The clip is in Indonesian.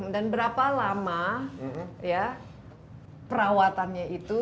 dan berapa lama perawatannya itu